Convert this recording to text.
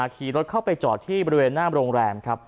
ขี่รถเข้าไปจอดที่บริเวณหน้าโรงแรมครับ